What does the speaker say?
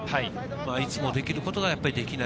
いつもできることができない。